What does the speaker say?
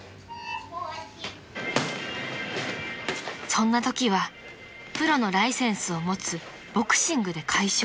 ［そんなときはプロのライセンスを持つボクシングで解消？